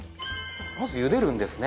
まずゆでるんですね。